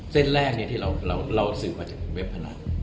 เส้นแรกเนี่ยที่เราซื้อมาจากเว็บพนัน